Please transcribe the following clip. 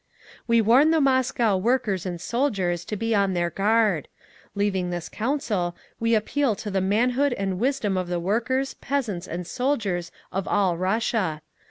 "We warn the Moscow workers and soldiers to be on their guard. Leaving this Council, we appeal to the manhood and wisdom of the workers, peasants and soldiers of all Russia.